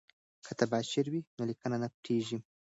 که تباشیر وي نو لیکنه نه پټیږي.